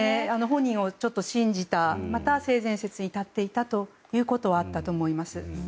本人を信じたまた、性善説に立っていたということはあったと思います。